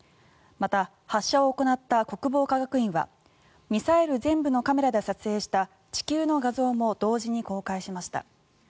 また発射を行った国防科学院はミサイル前部のカメラで撮影した地球の画像も同時に公開しました。